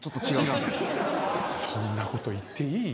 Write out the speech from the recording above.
そんなこと言っていい？